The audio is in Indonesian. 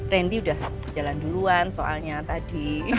randy udah jalan duluan soalnya tadi